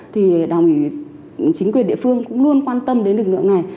thì đồng ý chính quyền địa phương cũng luôn quan tâm đến lực lượng này